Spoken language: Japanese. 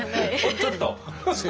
ちょっと。